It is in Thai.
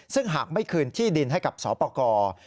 ซึ่งหากไม่คืนที่ดินให้กับสปกร